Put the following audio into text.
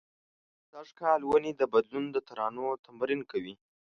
سږ کال ونې د بدلون د ترانو تمرین کوي